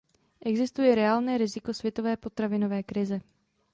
Existuje reálné riziko světové potravinové krize.